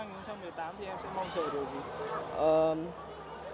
thế trong năm hai nghìn một mươi tám thì em sẽ mong chờ điều gì